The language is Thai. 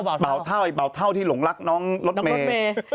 เบาเท่าที่หลงรักน้องรถเมย์